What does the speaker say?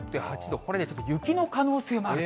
これね、ちょっと雪の可能性もあると。